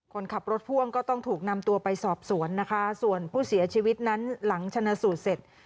คนขับรถพ่วงก็ต้องถูกนำตัวไปสอบสวนนะคะส่วนผู้เสียชีวิตนั้นหลังชนะสูตรเสร็จ